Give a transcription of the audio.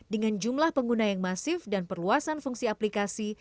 dengan jumlah pengguna yang masif dan perluasan fungsi aplikasi